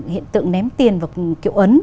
hiện tượng ném tiền và kiệu ấn